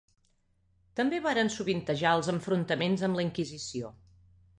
També varen sovintejar els enfrontaments amb la Inquisició.